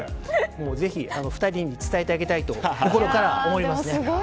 ぜひ２人に伝えてあげたいと心から思います。